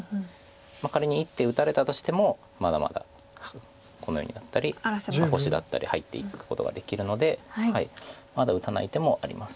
仮に一手打たれたとしてもまだまだこのようにだったり星だったり入っていくことができるのでまだ打たない手もあります。